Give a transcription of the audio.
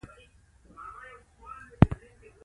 ناڅاپه د ديګ بخار واورېدل شو.